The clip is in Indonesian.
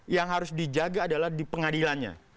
yang harus dijaga adalah di pengadilannya